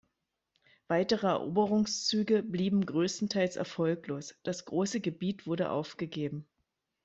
Weitere Eroberungszüge blieben größtenteils erfolglos, das große Gebiet wurde aufgegeben.